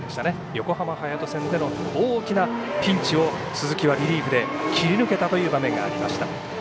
横浜隼人戦での大きなピンチを鈴木はリリーフで切り抜けたという場面がありました。